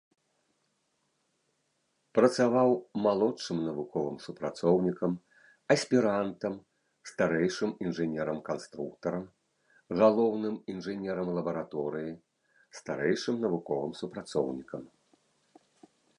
Працаваў малодшым навуковым супрацоўнікам, аспірантам, старэйшым інжынерам-канструктарам, галоўным інжынерам лабараторыі, старэйшым навуковым супрацоўнікам.